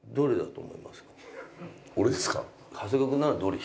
俺ですか？